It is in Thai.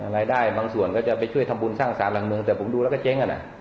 รายได้บางส่วนก็จะไปช่วยทำบุญสร้างสารหลังเมืองแต่ผมดูแล้วก็เจ๊งอ่ะนะ